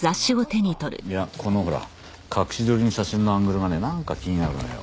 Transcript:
いやこのほら隠し撮りの写真のアングルがねなんか気になるのよ。